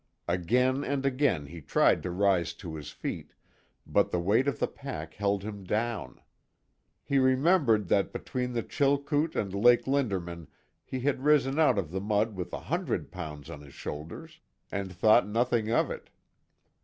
Again and again he tried to rise to his feet, but the weight of the pack held him down. He remembered that between the Chilkoot and Lake Lindermann he had risen out of the mud with a hundred pounds on his shoulders, and thought nothing of it.